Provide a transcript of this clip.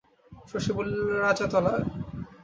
শশী বলিল, রাজাতলায়?